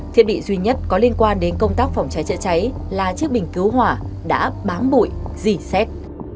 thiết bị duy nhất có liên quan đến công tác phòng cháy chữa cháy là chiếc bình cứu hỏa đã bám bụi dì xét